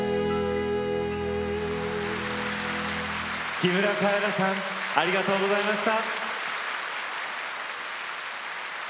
木村カエラさんありがとうございました。